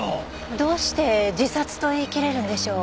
どうして自殺と言い切れるんでしょう？